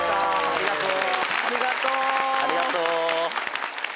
ありがとう。